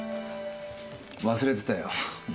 忘れてたよ。